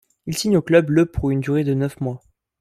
Il signe au club le pour une durée de neuf mois.